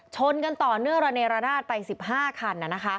ชนกันต่อเนื่องระเนรนาศไป๑๕คัน